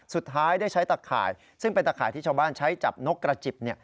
สุดท้ายได้ใช้ตะข่ายซึ่งเป็นตะข่ายที่ชาวบ้านใช้จับนกกระจิบ